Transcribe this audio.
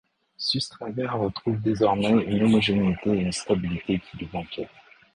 Sustraia retrouve désormais une homogénéité et une stabilité qui lui manquaient.